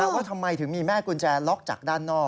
ว่าทำไมถึงมีแม่กุญแจล็อกจากด้านนอก